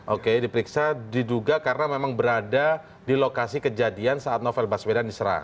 oke diperiksa diduga karena memang berada di lokasi kejadian saat novel baswedan diserang